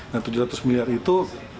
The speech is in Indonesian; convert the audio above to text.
nah tujuh ratus miliar itu